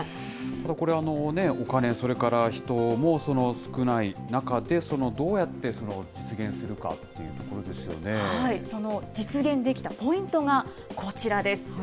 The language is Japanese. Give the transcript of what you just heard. これ、お金、それから人も少ない中で、どうやって実現するかその実現できたポイントがこちらです。